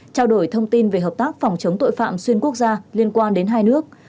trao đổi thông tin về hợp tác phòng chống tội phạm xuyên quốc gia liên quan đến hai nước